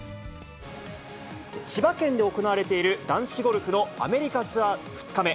千葉県で行われている男子ゴルフのアメリカツアー２日目。